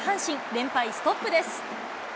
連敗ストップです。